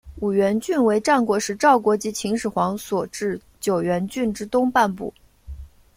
五原郡为战国时赵国及秦始皇所置九原郡之东半部。